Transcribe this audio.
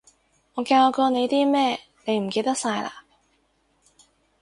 我教過你啲咩，你唔記得晒嘞？